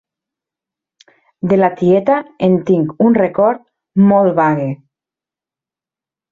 De la tieta en tinc un record molt vague.